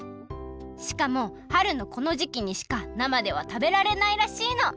しかも春のこのじきにしかなまではたべられないらしいの。